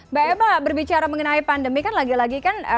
mbak emma berbicara mengenai pandemik kan lagi lagi kan mba